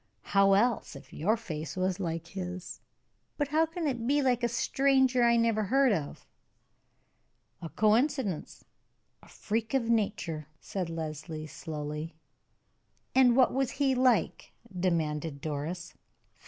How else, if your face was like his?" "But how can it be like a stranger I never heard of?" "A coincidence a freak of nature," said Leslie, slowly. "And what was he like?" demanded Doris.